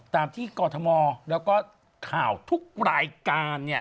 ตามที่กรทมแล้วก็ข่าวทุกรายการ